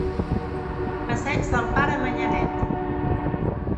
Passeig del Pare Manyanet.